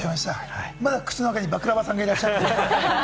まだ口の中でバクラヴァさんがいらっしゃいます。